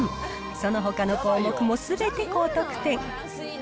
そのほかの項目もすべて高得点。